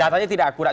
datanya tidak akurat